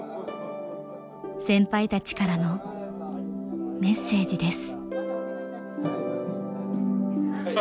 先輩たちからのメッセージです。